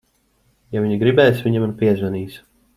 Ja viņa gribēs, viņa man piezvanīs.